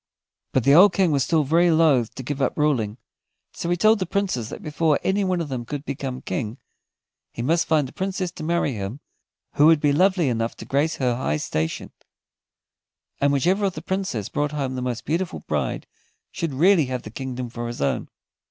But the old King was still very loth to give up ruling, so he told the Princes that before any one of them could become King he must find a Princess to marry him who would be lovely enough to grace her high station; and whichever of the Princes brought home the most beautiful bride should really have the kingdom for his own.